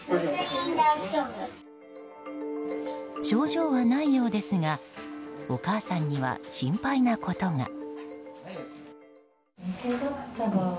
症状はないようですがお母さんには心配なことが。